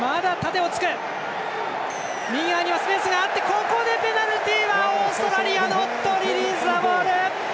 ここでペナルティはオーストラリアノットリリースザボール。